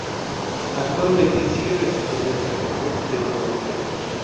Actualmente sigue residiendo en Santa Cruz de Tenerife.